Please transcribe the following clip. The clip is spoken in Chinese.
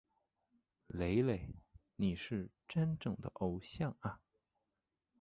雷雷！你是真正的偶像啊！